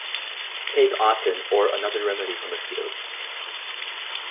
Take Autan or another remedy for mosquitoes.